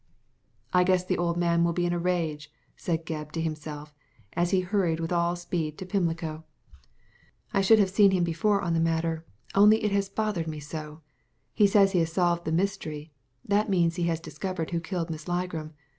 •" I guess the old man will be in a rage," said Gebb to himself as he hurried with all speed to Pimlico, Digitized by Google A FRIEND IN NEED 47 '' I should have seen him before on the matter, only it has bothered me so. He says he has solved the mystery — that means he has discovered who killed Miss Ligram.